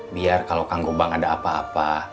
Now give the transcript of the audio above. biar kalau kang kubang ada apa apa